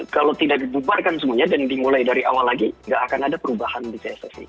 kalau tidak dibubarkan semuanya dan dimulai dari awal lagi nggak akan ada perubahan di pssi